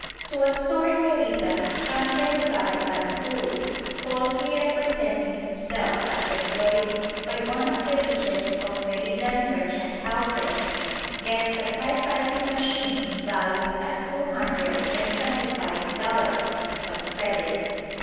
To a store in Merida comes a Yucatecan who, falsely representing himself as employed by one of the richest of Meridan merchant houses, gets a typewriting machine valued at two hundred and twenty five dollars, on credit.